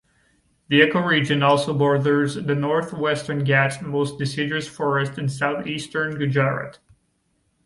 The ecoregion also borders the North Western Ghats moist deciduous forests in southeastern Gujarat.